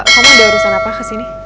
kamu ada urusan apa kesini